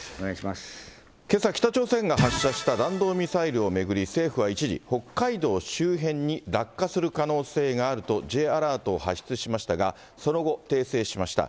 けさ、北朝鮮が発射した弾道ミサイルを巡り、政府は一時、北海道周辺に落下する可能性があると、Ｊアラートを発出しましたが、その後、訂正しました。